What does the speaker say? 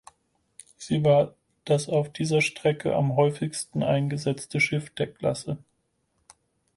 Sie war das auf dieser Strecke am häufigsten eingesetzte Schiff der Klasse.